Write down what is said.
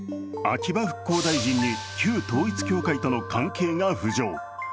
秋葉復興大臣に旧統一教会との関係が浮上。